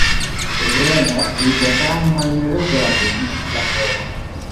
Pe vremea mea, îi băteam mai mereu pe rapidiști la Craiova.